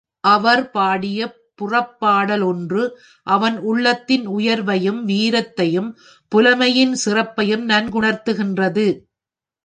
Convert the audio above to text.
அவன் பாடிய புறப்பாடலொன்று அவன் உள்ளத்தின் உயர்வையும், வீரத்தையும், புலமையின் சிறப்பையும் நன்குணர்த்துகின்றது.